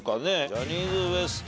ジャニーズＷＥＳＴ